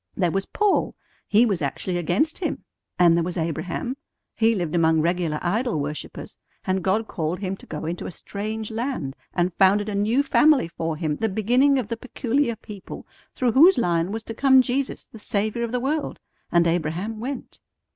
There was Paul; he was actually against Him. And there was Abraham; he lived among regular idol worshippers, and God called him to go into a strange land and founded a new family for him, the beginning of the peculiar people through whose line was to come Jesus, the Saviour of the world. And Abraham went."